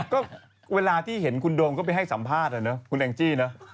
ก็เวลาที่เห็นคุณโดมก็ไปให้สัมภาษณ์นะคุณแองจี้เนอะ